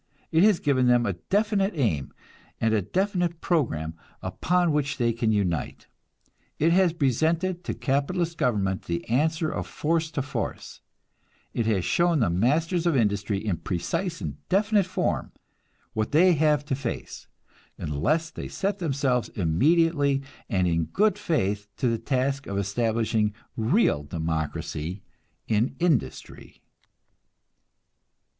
It has given them a definite aim and a definite program upon which they can unite; it has presented to capitalist government the answer of force to force; it has shown the masters of industry in precise and definite form what they have to face unless they set themselves immediately and in good faith to the task of establishing real democracy in industry.